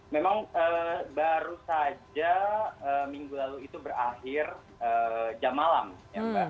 memang baru saja minggu lalu itu berakhir jam malam ya mbak